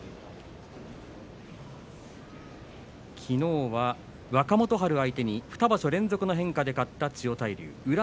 きのうは若元春相手に２場所連続変化で勝った千代大龍です。